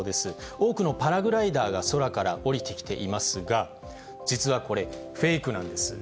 多くのパラグライターが空から降りてきていますが、実はこれ、フェイクなんです。